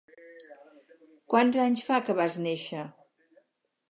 Quants anys fa que vas néixer?